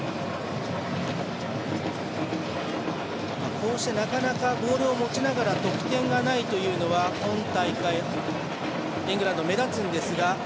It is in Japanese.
こうしてなかなかボールを持ちながら得点がないというのは今大会、イングランド目立つんですが。